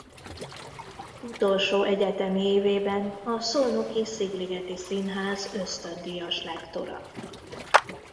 Utolsó egyetemi évében a szolnoki Szigligeti Színház ösztöndíjas lektora.